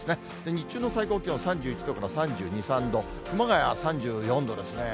日中の最高気温３１度から３２、３度、熊谷は３４度ですね。